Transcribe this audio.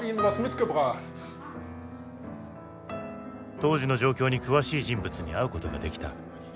当時の状況に詳しい人物に会うことができた。